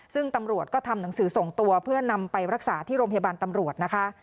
ซึ่งตำรวจก็ทำหนังสือส่งตัวเพื่อนำไปรักษาที่โรงพยาบาลตำรวจนะคะ